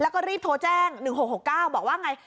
แล้วก็รีบโทรแจ้งหนึ่งหกหกเก้าบอกว่าไง